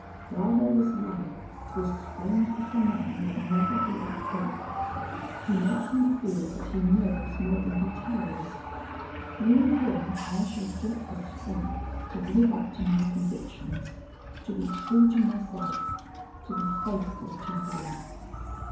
While there was life this strange little man would never give up hope. He makes me feel that he knows more than he tells. Through him I shall get the strength to live up to my convictions, to be true to myself, to be faithful to you.